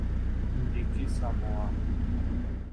امریکی ساموآ